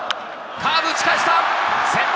カーブ、打ち返した！